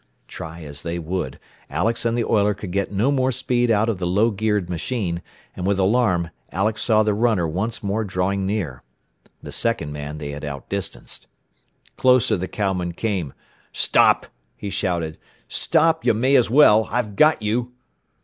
Try as they would, Alex and the oiler could get no more speed out of the low geared machine, and with alarm Alex saw the runner once more drawing near. The second man they had outdistanced. Closer the cowman came. "Stop!" he shouted. "Stop! You may as well! I've got you!"